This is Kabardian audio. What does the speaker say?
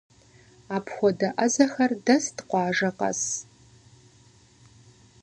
Апхуэдэ ӏэзэхэр дэст къуажэ къэс.